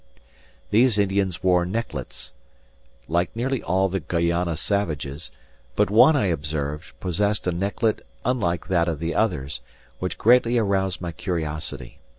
These Indians wore necklets, like nearly all the Guayana savages; but one, I observed, possessed a necklet unlike that of the others, which greatly aroused my curiosity.